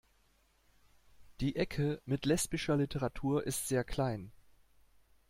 Die Ecke mit lesbischer Literatur ist sehr klein.